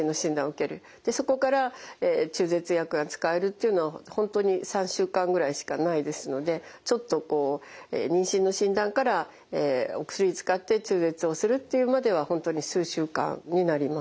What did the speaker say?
そこから中絶薬が使えるというのは本当に３週間ぐらいしかないですのでちょっとこう妊娠の診断からお薬使って中絶をするっていうまでは本当に数週間になります。